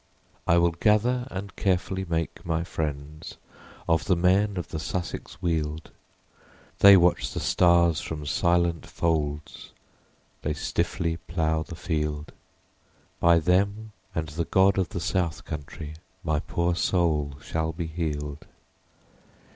32 I will gather and carefully make my friends Of the men of the Sussex Weald, They watch the stars from silent folds, They stiffly plough the field, By them and the God of the South Country My poor soul shall be healed.